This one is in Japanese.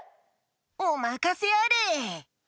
おまかせあれ。